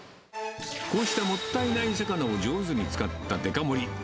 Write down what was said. こうしたもったいない魚を上手に使ったデカ盛り